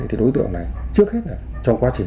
thì đối tượng này trước hết trong quá trình